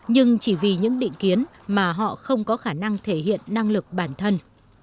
nhưng chỉ vì những định kiến mà họ không có khả năng thể hiện năng lực bản thân